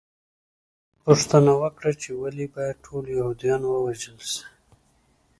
ما پوښتنه وکړه چې ولې باید ټول یهودان ووژل شي